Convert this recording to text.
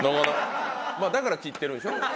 まあだから切ってるんでしょ？